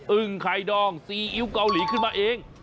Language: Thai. ึงไข่ดองซีอิ๊วเกาหลีขึ้นมาเอง